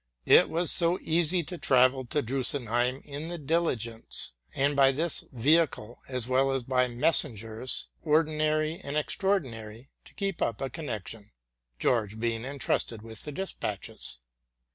It was so easy to travel to pn Getic in the diligence, and by this vehicle, as well as by messengers, ordinary. and extraor dinary, to keep up a connection ; George being intrusted with the despatches.